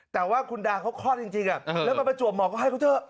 แต่ว่าคุณดาเขาคลอดจริงจริงอ่ะอืมแล้วมันมาจวบหมอก็ให้เขาเถอะ